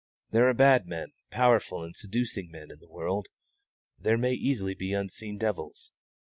There are bad men, powerful and seducing men, in the world; there may easily be unseen devils.